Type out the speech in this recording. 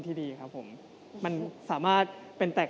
มีพลิกโพสต์ทำไมเลือกเต้ย